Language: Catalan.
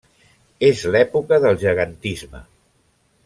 És l'època del gegantisme.